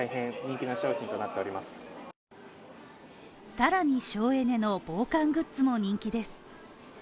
さらに省エネの防寒グッズも人気です。